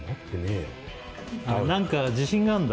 ああ何か自信があるんだ？